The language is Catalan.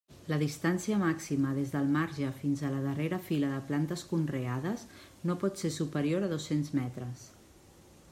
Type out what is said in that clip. La distància màxima des del marge fins a la darrera fila de plantes conreades no pot ser superior a dos-cents metres.